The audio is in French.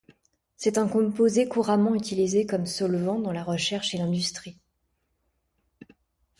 C'est un composé couramment utilisé comme solvant dans la recherche et l'industrie.